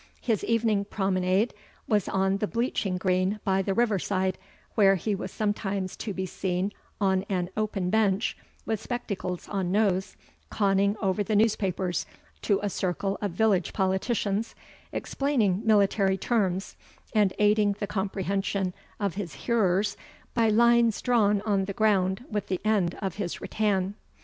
His evening promenade was on the bleaching green by the river side, where he was sometimes to be seen on an open bench, with spectacles on nose, conning over the newspapers to a circle of village politicians, explaining military terms, and aiding the comprehension of his hearers by lines drawn on the ground with the end of his rattan.